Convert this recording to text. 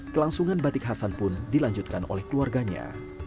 kelangsungan batik hasan pun dilanjutkan oleh keluarganya